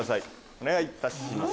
お願いいたします。